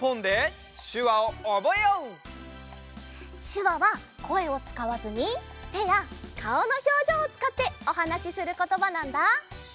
しゅわはこえをつかわずにてやかおのひょうじょうをつかっておはなしすることばなんだ。